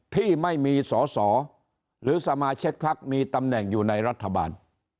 ที่ไม่มีสอสอหรือสมาชิกพักมีตำแหน่งอยู่ในรัฐบาล